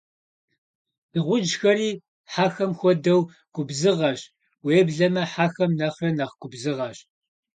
Дыгъужьхэри, хьэхэм хуэдэу, губзыгъэщ, уеблэмэ хьэхэм нэхърэ нэхъ губзыгъэщ.